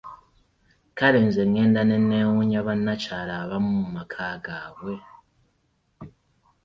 Kale nze ngenda nenneewunya bannakyala abamu mu maka gaabwe!